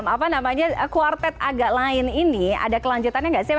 apa namanya quartet agak lain ini ada kelanjutannya nggak sih